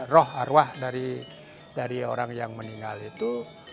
roh arwah dari orang yang meninggal itu